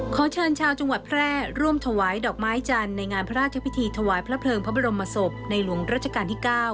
ขอเชิญชาวจังหวัดแพร่ร่วมถวายดอกไม้จันทร์ในงานพระราชพิธีถวายพระเพลิงพระบรมศพในหลวงรัชกาลที่๙